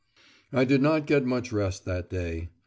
I did not get much rest that day.